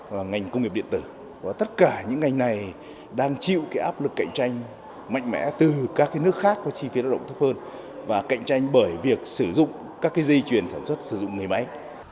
và ngành công nghiệp điện tử và tất cả những ngành này đang chịu cái áp lực cạnh tranh mạnh mẽ từ các cái nước khác có chi phí lao động thấp hơn và cạnh tranh bởi việc sử dụng các cái dây chuyền sản xuất sử dụng người máy